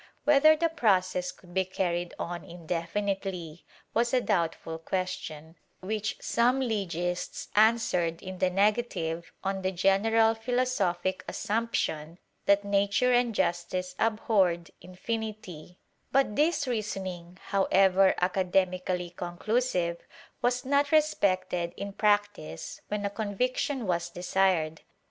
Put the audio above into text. ^ Whether the process could be carried on indefinitely was a doubtful question which some legists answered in the negative on the general philosophic assumption that nature and justice abhorred infinity, but this reasoning, however, academically conclusive, was not respected in practice when a conviction was desired.